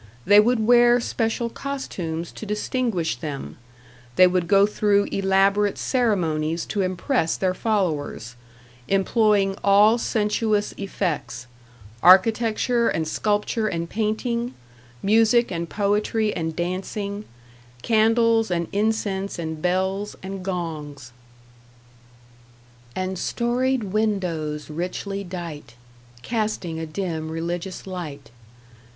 They would wear special costumes to distinguish them, they would go through elaborate ceremonies to impress their followers, employing all sensuous effects, architecture and sculpture and painting, music and poetry and dancing, candles and incense and bells and gongs And storied windows richly dight, Casting a dim religious light.